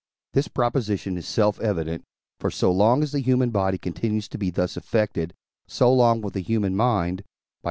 Proof. This proposition is self evident, for so long as the human body continues to be thus affected, so long will the human mind (II.